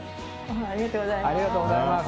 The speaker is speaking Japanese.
ありがとうございます。